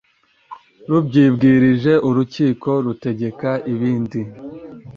Rubyibwirije urukiko rutegeka ibindi